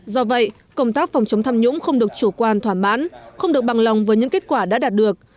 do vậy công tác phòng chống tham nhũng không được chủ quan thỏa mãn không được bằng lòng với những kết quả đã đạt được